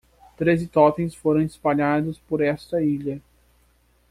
Treze totens foram espalhados por esta ilha.